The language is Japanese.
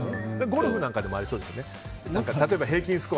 ゴルフなんかでもありそうですね。